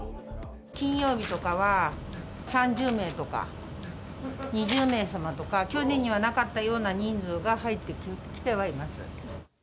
金曜日とかは、３０名とか、２０名様とか、去年にはなかったような人数が入ってきてはいます。